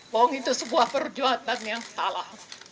bohong itu sebuah perbuatan yang salah